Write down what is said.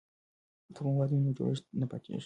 که مواد وي نو جوړښت نه پاتیږي.